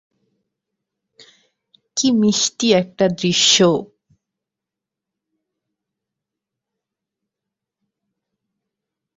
কী মিষ্টি একটা দৃশ্য!